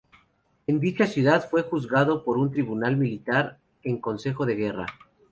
En dicha ciudad fue juzgado por un tribunal militar en consejo de guerra.